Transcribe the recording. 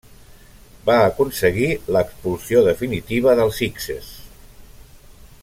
Va aconseguir l'expulsió definitiva dels hikses.